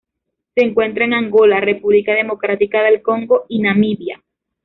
Se encuentran en Angola, República Democrática del Congo, y Namibia.